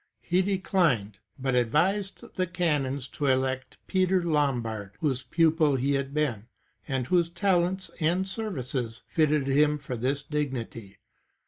He de clined, but advised the canons to elect Peter Lombard, whose pupil he had been, and whose talents and services fitted him for this dignity.